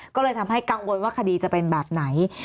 ก็เลยทำให้กังวลว่าคดีจะเป็นแบบไหน